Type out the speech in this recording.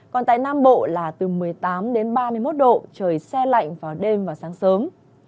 còn tại nam bộ là từ một mươi tám đến ba mươi một độ trời xe lạnh vào đêm và sáng sớm